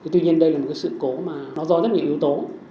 tuy nhiên đây là một cái sự cố mà nó do rất nhiều yếu tố